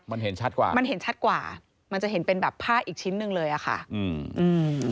มันเห็นชัดกว่ามันเห็นชัดกว่ามันจะเห็นเป็นแบบผ้าอีกชิ้นหนึ่งเลยอ่ะค่ะอืมอืม